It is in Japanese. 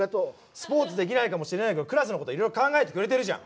スポーツできないかもしれないけどクラスのこといろいろ考えてくれてるじゃん。